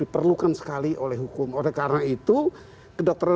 di video kita memberitahui dalam satu mula menit untuk kita